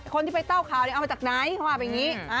คนที่ไปเต้าข่าวเนี่ยเอามาจากไหนว่าแบบนี้